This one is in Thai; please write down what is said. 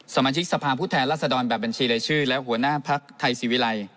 สมาชิกสภาพผู้แทนรัศดรแบบบัญชีรายชื่อและหัวหน้าภักดิ์ไทยศิวิรัย